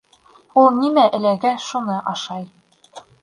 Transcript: Ул нимә эләгә, шуны ашай.